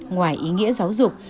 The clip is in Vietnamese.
ngoài ý nghĩa giáo dục